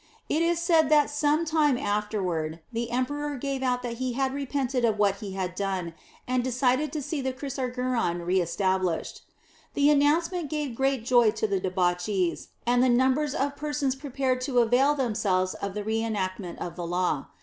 It is said that some time afterward, the emperor gave out that he had repented of what he had done, and desired to see the chrysarguron re established. The announcement gave great joy to the debauchees, and numbers of persons prepared to avail themselves of the re enactment of the law.